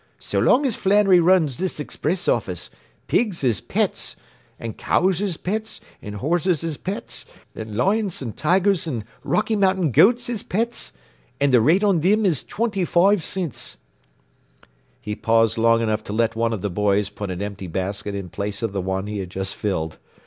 So long as Flannery runs this expriss office pigs is pets an' cows is pets an' horses is pets an' lions an' tigers an' Rocky Mountain goats is pets an' the rate on thim is twinty foive cints.” He paused long enough to let one of the boys put an empty basket in the place of the one he had just filled.